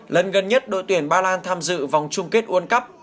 lần gần nhất đội tuyển ba lan tham dự vòng chung kết world cup